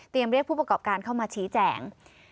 เรียกผู้ประกอบการเข้ามาชี้แจง